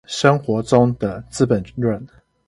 生活中的資本論